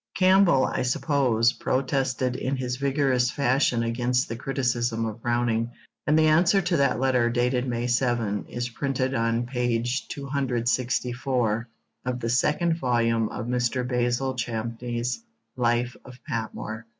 Campbell, I suppose, protested in his vigorous fashion against the criticism of Browning, and the answer to that letter, dated May 7, is printed on p. 264 of the second volume of Mr. Basil Champneys' Life of Patmore.